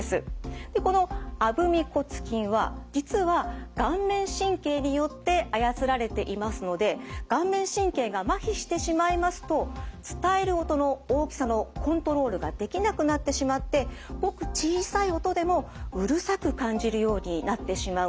でこのアブミ骨筋は実は顔面神経によって操られていますので顔面神経がまひしてしまいますと伝える音の大きさのコントロールができなくなってしまってごく小さい音でもうるさく感じるようになってしまうんです。